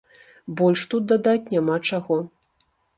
Больш тут дадаць няма чаго.